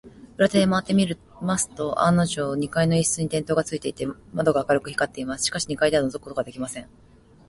裏手へまわってみますと、案のじょう、二階の一室に電燈がついていて、窓が明るく光っています。しかし、二階ではのぞくことができません。